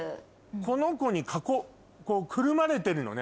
このコにくるまれてるのね？